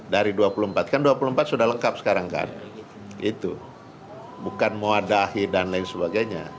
dari dua puluh empat kan dua puluh empat sudah lengkap sekarang kan itu bukan mewadahi dan lain sebagainya